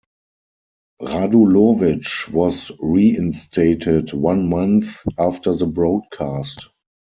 Radulovich was reinstated one month after the broadcast.